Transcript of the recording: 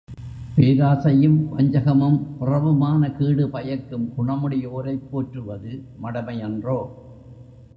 பேராசையும் வஞ்சகமும், பிறவுமான கேடு பயக்கும் குணமுடையோரைப் போற்றுவது மடைமையன்றோ?